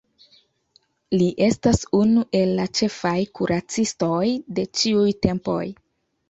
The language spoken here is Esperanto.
Li estas unu el la ĉefaj kuracistoj de ĉiuj tempoj.